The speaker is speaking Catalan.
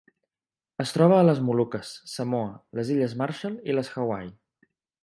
Es troba a les Moluques, Samoa, les Illes Marshall i les Hawaii.